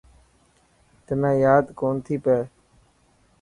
تنا ياد ڪونٿي پئي.